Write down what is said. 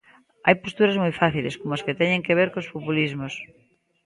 Hai posturas moi fáciles, como as que teñen que ver cos populismos.